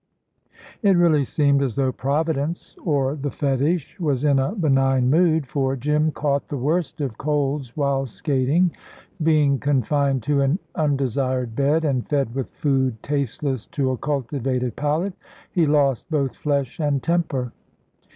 It really seemed as though Providence, or the fetish, was in a benign mood, for Jim caught the worst of colds while skating. Being confined to an undesired bed, and fed with food tasteless to a cultivated palate, he lost both flesh and temper.